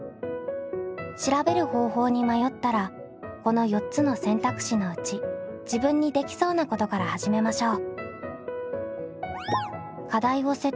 調べる方法に迷ったらこの４つの選択肢のうち自分にできそうなことから始めましょう。